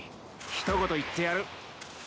一言言ってやる。